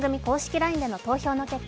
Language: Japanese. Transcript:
ＬＩＮＥでの投票の結果